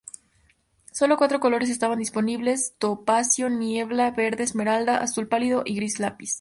Sólo cuatro colores estaban disponibles: topacio niebla, verde esmeralda, azul pálido y gris lápiz.